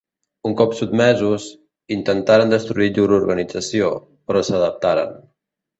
Un cop sotmesos, intentaren destruir llur organització, però s'adaptaren.